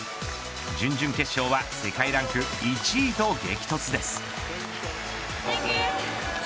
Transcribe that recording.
準々決勝は世界ランク１位と激突です。